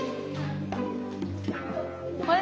あれ？